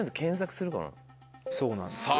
そうなんですよ。